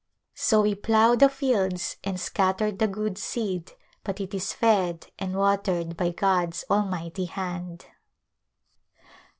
" So we plough the fields and scatter the good seed, but it is fed and watered by God's Almighty Hand.''